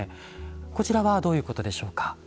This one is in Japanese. こちらはどういうことでしょうか。